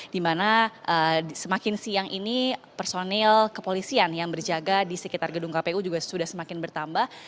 dimana semakin siang ini personil kepolisian yang berjaga di sekitar gedung kpu juga sudah semakin bertambah